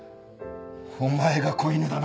お前が子犬だな。